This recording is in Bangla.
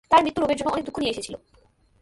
তার মৃত্যু রোমের জন্য অনেক দুঃখ নিয়ে এসেছিল।